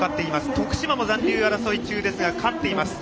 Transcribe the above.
徳島も残留争い中ですが勝っています。